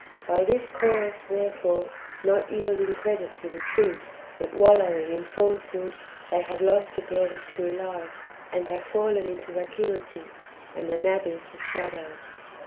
By this course, therefore, not yielding credit to the truth, but wallowing in falsehood, they have lost the bread of true life, and have fallen into vacuity" and an abyss of shadow.